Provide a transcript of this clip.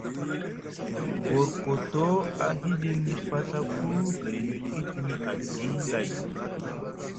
Korkoto a hiɗini paɵaku gayni kitini azi lay.